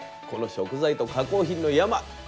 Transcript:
この食材と加工品の山！